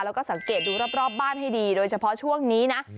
แล้วก็สังเกตดูรอบบ้านให้ดีโดยเฉพาะช่วงนี้นะ